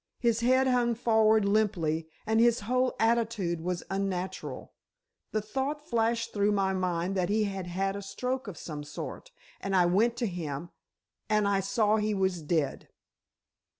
His head hung forward limply, and his whole attitude was unnatural. The thought flashed through my mind that he had had a stroke of some sort, and I went to him—and I saw he was dead."